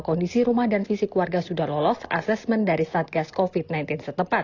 kondisi rumah dan fisik warga sudah lolos assessment dari satgas kofit sembilan belas setepat